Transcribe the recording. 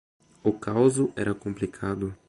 O causo era complicado.